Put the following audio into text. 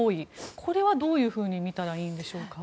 これは、どういうふうに見たらいいんでしょうか。